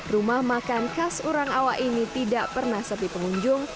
rumah makan khas orang awak ini tidak pernah sepi pengunjung